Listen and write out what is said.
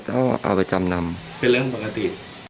ก็เอาไปจำนำเป็นเรื่องปกติ